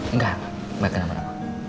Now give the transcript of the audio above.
enggak baik kenapa kenapa